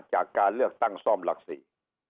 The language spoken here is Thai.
จากการเลือกตั้งซ่อมหลักสี่